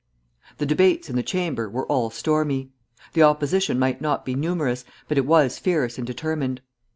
The debates in the Chamber were all stormy. The opposition might not be numerous, but it was fierce and determined.